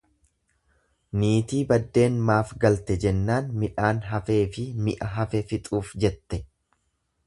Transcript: Niitii baddeen maaf galte jennaan midhaan hafeefi mi'a hafe fixuufjette.